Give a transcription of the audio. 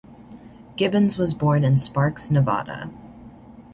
Gibbons was born in Sparks, Nevada.